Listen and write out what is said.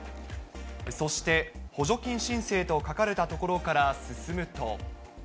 そして補助金申請と書かれたところから進むと。